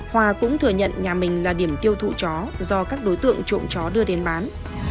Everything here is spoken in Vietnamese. hòa cũng thừa nhận nhà mình là điểm tiêu thụ chó do các đối tượng trộm chó đưa đến bán